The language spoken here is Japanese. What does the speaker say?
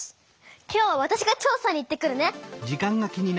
今日はわたしが調さに行ってくるね！